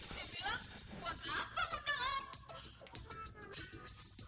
dia bilang buat apa undang om